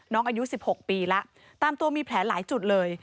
อายุ๑๖ปีแล้วตามตัวมีแผลหลายจุดเลย